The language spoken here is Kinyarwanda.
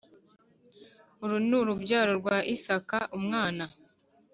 Uru ni urubyaro rwa isaka umwana